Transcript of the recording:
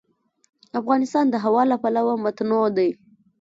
افغانستان د هوا له پلوه متنوع دی.